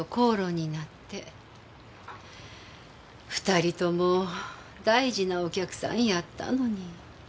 ２人とも大事なお客さんやったのに。